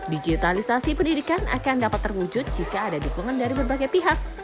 digitalisasi pendidikan akan dapat terwujud jika ada dukungan dari berbagai pihak